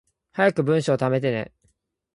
早く文章溜めてね